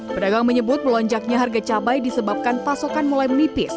pedagang menyebut melonjaknya harga cabai disebabkan pasokan mulai menipis